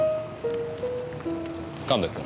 神戸君。